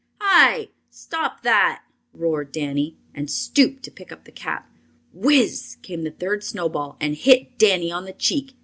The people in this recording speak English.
"Hi! stop that!" roared Danny, and stooped to pick up the cap. Whiz! came the third snowball and hit Danny on the cheek.